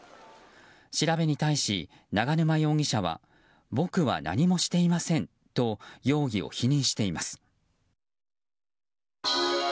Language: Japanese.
調べに対し、永沼容疑者は僕は何もしていませんと容疑を否認しています。